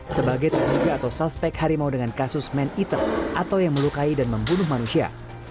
sebagai terduga atau suspek harimau dengan kasus man eat atau yang melukai dan membunuh manusia